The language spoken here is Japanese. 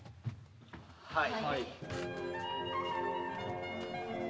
はい。